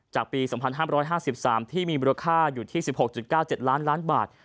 จากปี๒๕๕๓ที่มีราคาอยู่ที่๑๖๙๗ล้านบาท